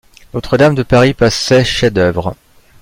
Notre-Dame de Paris passait chef-d’œuvre